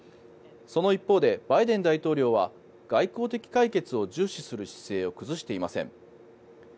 その一方でバイデン大統領は外交的解決を重視する姿勢を崩していません。